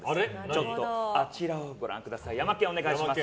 ちょっとあちらをご覧ください。